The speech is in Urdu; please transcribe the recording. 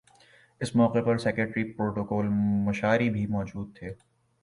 اس موقع پر سیکریٹری پروٹوکول مشاری بھی موجود تھے